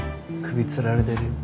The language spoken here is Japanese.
首つられてるよ。